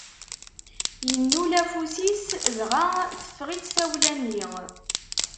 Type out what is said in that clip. Innul afus-is, dɣa teffeɣ-itt tawla-nni.